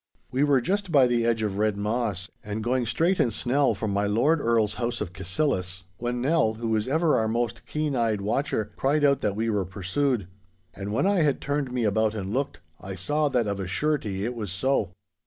We were just by the edge of the Red Moss, and going straight and snell for my Lord Earl's house of Cassillis, when Nell, who was ever our most keen eyed watcher, cried out that we were pursued. And when I had turned me about and looked, I saw that of a surety it was so.